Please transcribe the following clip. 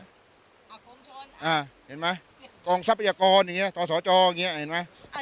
กลมชนอ่าเห็นมั้ยกองทรัพยากรอย่างนี้ต่อสอจรอย่างนี้เห็นมั้ย